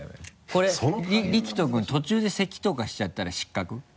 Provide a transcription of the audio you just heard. これリキト君途中でせきとかしちゃったら失格？